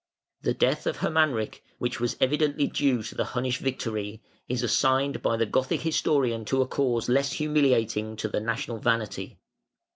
The death of Hermanric, which was evidently due to the Hunnish victory, is assigned by the Gothic historian to a cause less humiliating to the national vanity.